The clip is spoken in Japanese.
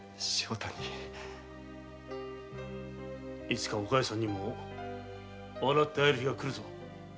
いつかお加代さんにも笑って会える日がくるぞ。